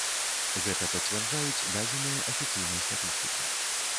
Гэта пацвярджаюць дадзеныя афіцыйнай статыстыкі.